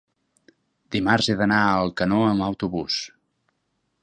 dimarts he d'anar a Alcanó amb autobús.